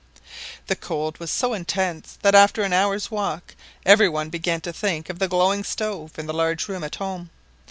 The cold was so intense, that after an hour's walk every one began to think of the glowing stove in the large room at home.